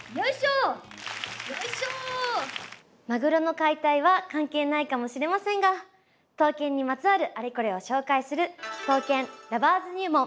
マグロの解体は関係ないかもしれませんが刀剣にまつわるアレコレを紹介する「刀剣Ｌｏｖｅｒｓ入門」。